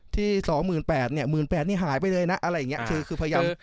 ที่๒หมื่น๘เนี่ย๑หมื่น๘นี้หายไปเลยนะอะไรอย่างนี้คือคือพยายาม